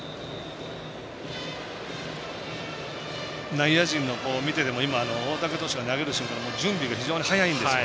内野陣の方を見ていても大竹投手が投げる瞬間非常に準備が早いんですよ。